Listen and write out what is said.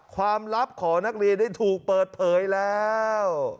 ความลับของนักเรียนได้ถูกเปิดเผยแล้ว